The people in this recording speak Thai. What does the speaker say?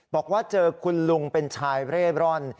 บอกว่าเจอคุณลุงเป็นชายเร่ร่อน